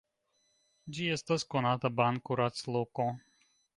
Ĝi estas konata ban-kuracloko.